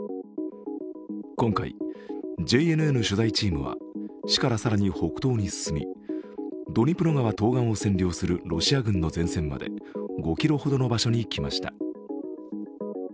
今回、ＪＮＮ取材チームは市から更に北東に進みドニプロ川東岸を占領するロシア軍の前線まで５ｋｍほどの場所に来ました。